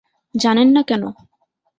জানেন না কেন?